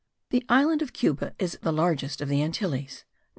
The island of Cuba is the largest of the Antilles.